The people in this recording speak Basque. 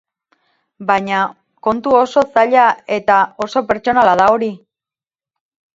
Baina kontu oso zaila eta oso pertsonala da hori.